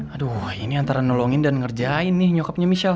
aduh wah ini antara nolongin dan ngerjain nih nyokapnya michelle